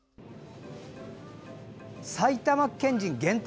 埼玉県人限定？